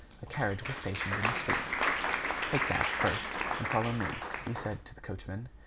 A carriage was stationed in the street. "Take that, first and follow me," he said to the coachman.